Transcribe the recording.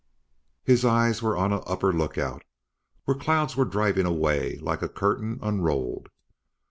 His eyes were on an upper lookout, where clouds were driving away like a curtain unrolled.